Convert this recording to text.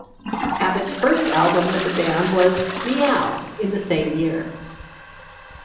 Abbott's first album with the band was "Miaow" in the same year.